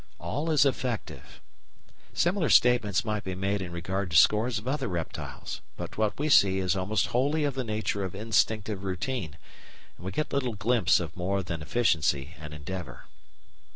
All is effective. Similar statements might be made in regard to scores of other reptiles; but what we see is almost wholly of the nature of instinctive routine, and we get little glimpse of more than efficiency and endeavour.